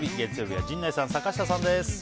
月曜日は陣内さん、坂下さんです。